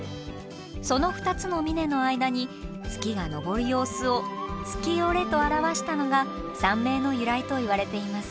その２つの峰の間に月が昇る様子を「月居」と表したのが山名の由来といわれています。